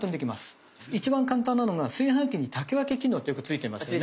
一番簡単なのが炊飯器に炊き分け機能ってよくついてますよね。